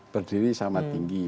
berdiri sama tinggi